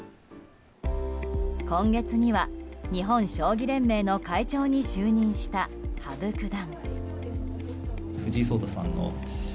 今月には日本将棋連盟の会長に就任した羽生九段。